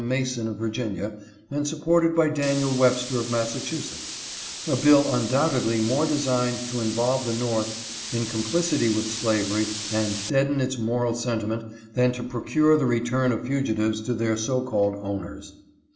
Mason of Virginia and supported by Daniel Webster of Massa chusetts— a bill undoubtedly more designed to involve the North in complicity with slavery and deaden its moral sentiment than to procure the return of fugitives to their so called owners.